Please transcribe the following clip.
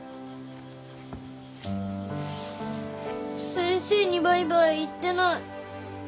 先生にバイバイ言ってない。